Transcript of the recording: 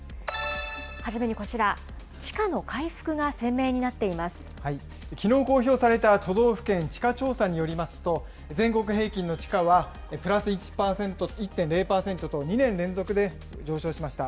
初めにこちら、きのう公表された、都道府県地価調査によりますと、全国平均の地価は、プラス１．０％と、２年連続で上昇しました。